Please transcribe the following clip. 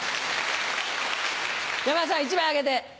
山田さん１枚あげて。